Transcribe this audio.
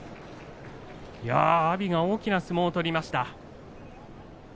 阿炎が大きな相撲を取りました。